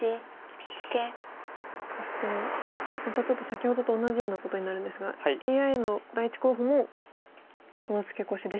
そしてまたちょっと先ほどと同じようなことになるんですがＡＩの第１候補もこのツケコシでしたね。